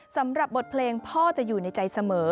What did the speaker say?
สำหรับบทเพลงพ่อจะอยู่ในใจเสมอ